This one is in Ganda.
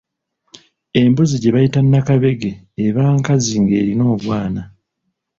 Embuzi gye bayita nakabege eba nkazi ng'erina obwana.